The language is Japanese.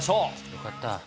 よかった。